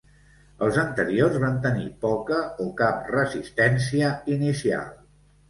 Els anteriors van tenir poca o cap resistència inicial.